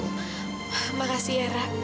terima kasih yara